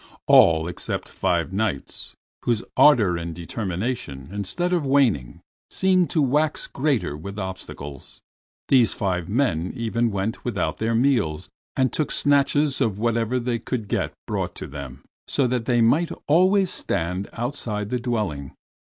All except five Knights, whose ardor and determination, instead of waning, seemed to wax greater with obstacles. These five men even went without their meals, and took snatches of whatever they could get brought to them, so that they might always stand outside the dwelling.